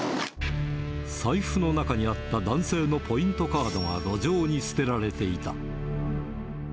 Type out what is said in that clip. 財布の中にあった男性のポイントカードが路上に捨てられていた。